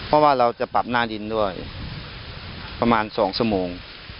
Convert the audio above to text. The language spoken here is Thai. เพราะว่าเราจะปรับหน้าดินด้วยประมาณ๒ชั่วโมง